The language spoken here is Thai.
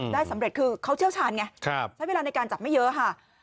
ได้สำเร็จคือเขาเชี่ยวชาญไงใช้เวลาในการจับไม่เยอะค่ะ